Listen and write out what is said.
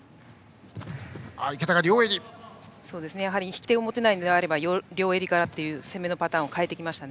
引き手を持てないのであれば両襟からという攻めのパターンを変えてきました。